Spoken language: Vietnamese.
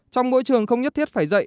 trong mỗi trường không nhất thiết phải dạy